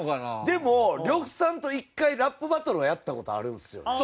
でも呂布さんと１回ラップバトルはやった事あるんですよね。